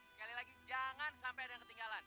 sekali lagi jangan sampai ada yang ketinggalan